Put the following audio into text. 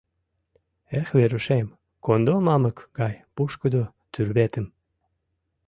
Эх, Верушем, кондо мамык гай пушкыдо тӱрветым...